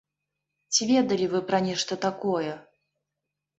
Ці ведалі вы пра нешта такое?